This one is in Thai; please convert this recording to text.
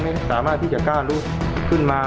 ไม่สามารถที่จะกล้าลุกขึ้นมา